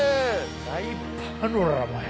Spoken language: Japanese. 大パノラマや。